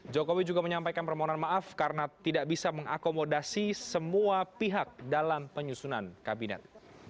jokowi juga menyampaikan permohonan maaf karena tidak bisa mengakomodasi semua pihak dalam penyusunan kabinet